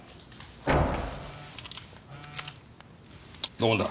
土門だ。